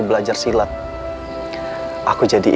berarti tempat putri